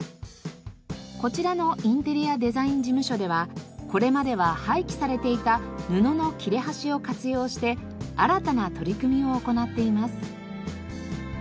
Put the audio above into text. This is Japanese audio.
こちらのインテリアデザイン事務所ではこれまでは廃棄されていた布の切れ端を活用して新たな取り組みを行っています。